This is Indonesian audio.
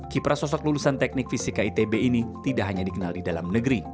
kiprah sosok lulusan teknik fisika itb ini tidak hanya dikenal di dalam negeri